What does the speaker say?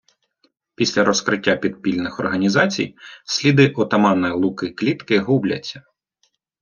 Після розкриття підпільних організацій сліди отамана Луки Клітки губляться.